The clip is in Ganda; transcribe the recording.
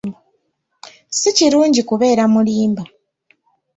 Si kirungi kubeera mulimba.